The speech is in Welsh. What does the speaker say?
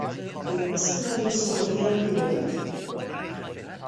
Bydd yn ysgrifennu stori am rywun.